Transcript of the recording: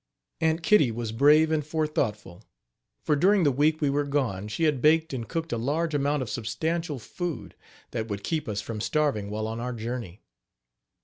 Aunt Kitty was brave and forethoughtful, for during the week we were gone she had baked and cooked a large amount of substantial food that would keep us from starving while on our journey.